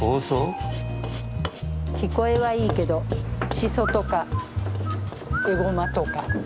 聞こえはいいけどしそとかエゴマとか。